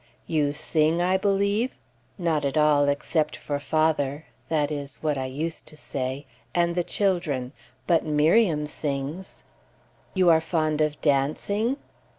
"You sing, I believe?" "Not at all except for father" (that is what I used to say) "and the children. But Miriam sings." "You are fond of dancing?"